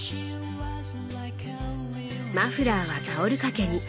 マフラーはタオル掛けに。